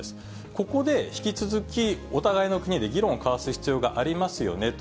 ここで引き続き、お互いの国で議論を交わす必要がありますよねと。